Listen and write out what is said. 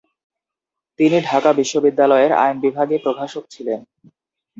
তিনি ঢাকা বিশ্ববিদ্যালয়ের আইন বিভাগের প্রভাষক ছিলেন।